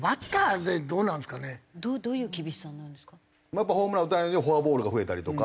やっぱホームラン打たれんようにフォアボールが増えたりとか。